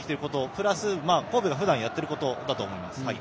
プラス神戸がふだんやっていることだと思います。